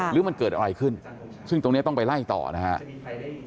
หรือมันเกิดอะไรขึ้นซึ่งตรงนี้ต้องไปไล่ต่อนะครับ